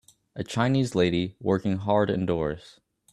A Chinese lady working hard indoors